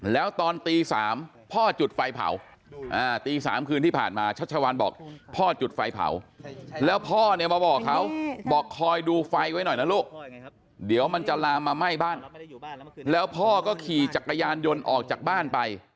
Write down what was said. แล้วตอนตี๓พ่อจุดไฟเผาตี๓คืนที่ผ่านมาชัชวัลบอกพ่อจุดไฟเผาแล้วพ่อเนี่ยมาบอกเขาบอกคอยดูไฟไว้หน่อยนะลูกเดี๋ยวมันจะลามมาไหม้บ้านแล้วพ่อก็ขี่จักรยานยนต์ออกจากบ้านไป